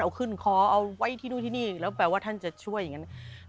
เอาขึ้นคอเอาไว้ที่นู่นที่นี่แล้วแปลว่าท่านจะช่วยอย่างนั้น